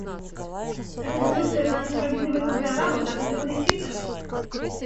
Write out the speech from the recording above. Эта резолюция была несправедливой как для арабов, так и для палестинцев.